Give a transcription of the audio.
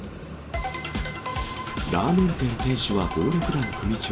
ラーメン店店主は暴力団組長。